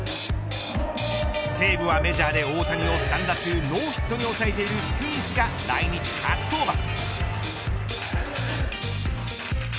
西武は、メジャーで大谷を３打数ノーヒットに抑えているスミスが来日初登板。